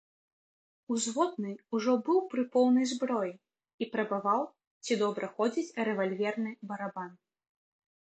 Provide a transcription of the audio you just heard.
Узводны ўжо быў пры поўнай зброі і прабаваў, ці добра ходзіць рэвальверны барабан.